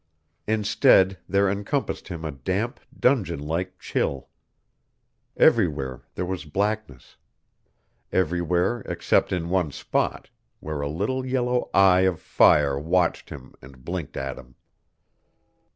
Instead there encompassed him a damp dungeon like chill. Everywhere there was blackness everywhere except in one spot, where a little yellow eye of fire watched him and blinked at him.